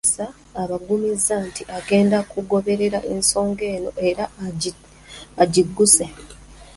Bano Muteesa abagumizza nti agenda kugoberera ensonga eno era agigguse.